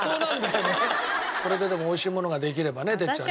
これででも美味しいものができればね哲ちゃんね。